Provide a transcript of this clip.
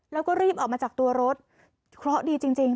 แล้วก็รีบออกมาจากตัวรถเคราะห์ดีจริง